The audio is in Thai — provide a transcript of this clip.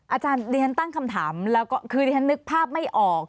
อาจารย์ดิฉันตั้งคำถามแล้วก็คือที่ฉันนึกภาพไม่ออก